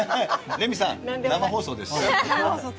レミさん、生放送です。